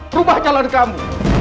berubah jalan kamu